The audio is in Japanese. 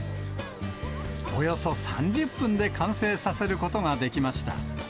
およそ３０分で完成させることができました。